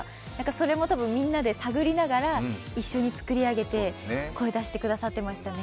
それも多分、みんなで探りながらみんなで作り上げて声出してくださっていましたね